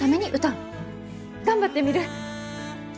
頑張ってみる。